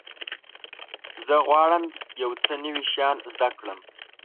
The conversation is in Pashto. زه غواړم چې یو څه نوي شیان زده کړم.